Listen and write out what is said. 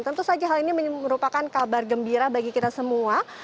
tentu saja hal ini merupakan kabar gembira bagi kita semua